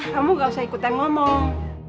kamu gak usah ikut yang ngomong